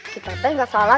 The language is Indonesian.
kita entah nggak salah